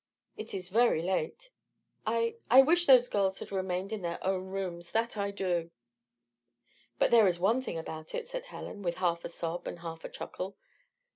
It is very late. I I wish those girls had remained in their own rooms, that I do!" "But there is one thing about it," said Helen, with half a sob and half a chuckle.